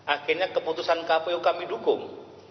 akhirnya keputusan kpu kami dukung